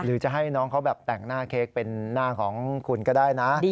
หรือจะให้น้องเขาแบบแต่งหน้าเค้กเป็นหน้าของคุณก็ได้นะ